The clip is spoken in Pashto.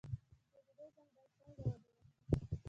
توریزم باید څنګه وده وکړي؟